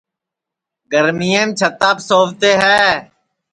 گرمِیم چھِتاپ سووتے ہے